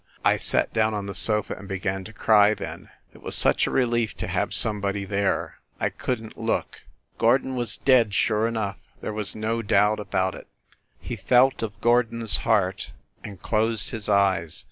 ... I sat down on the sofa and began to cry, then ... it was such a relief to have somebody there. I couldn t look ... Gordon was dead, sure enough. There was no doubt about it. ... He felt of Gordon s heart ... and closed his eyes.